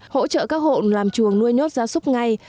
hỗ trợ các hộ làm chuồng nuôi nhốt gia súc ngay